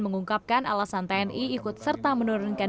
mengungkapkan alasan tni ikut serta menurunkan